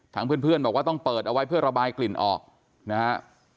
เพื่อนบอกว่าต้องเปิดเอาไว้เพื่อระบายกลิ่นออกนะฮะ